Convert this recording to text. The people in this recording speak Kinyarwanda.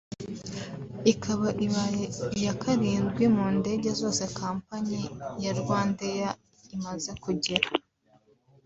ikaba ibaye iya karindwi mu ndege zose companyi ya Rwandair imaze kugira